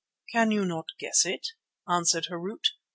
"Can you not guess it?" answered Harût.